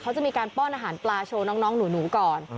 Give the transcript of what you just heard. เขาจะมีการป้อนอาหารปลาโชว์น้องหนูก่อน